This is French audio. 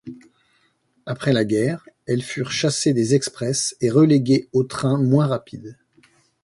Après la guerre, elles furent chassées des express et reléguées aux trains moins rapides.